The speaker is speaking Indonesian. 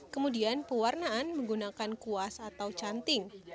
kemudian pewarnaan menggunakan kuas atau canting